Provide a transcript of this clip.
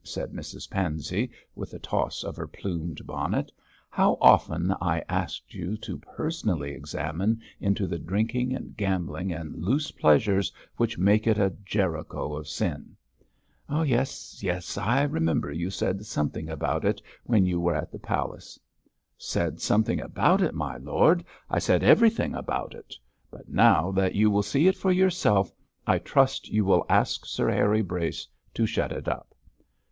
said Mrs Pansey, with a toss of her plumed bonnet. 'How often have I asked you to personally examine into the drinking and gambling and loose pleasures which make it a Jericho of sin?' 'Yes, yes, I remember you said something about it when you were at the palace.' 'Said something about it, my lord; I said everything about it, but now that you will see it for yourself, I trust you will ask Sir Harry Brace to shut it up.'